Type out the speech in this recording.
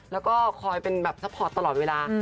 แล้วก็คอยเป็นแบบซัพพอร์ตตลอดเวลา